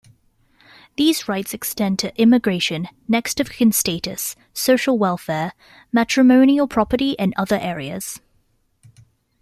These rights extend to immigration, next-of-kin status, social welfare, matrimonial property and other areas.